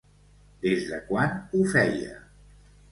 Des de quan ho feia?